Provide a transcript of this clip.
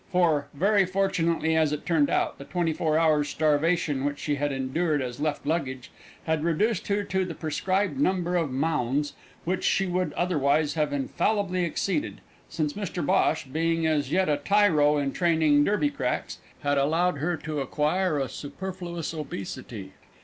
For very fortunately as it turned out the twenty four hours' starvation which she had endured as left luggage had reduced her to the prescribed number of maunds, which she would otherwise have infallibly exceeded, since Mr Bhosh, being as yet a tyro in training Derby cracks, had allowed her to acquire a superfluous obesity.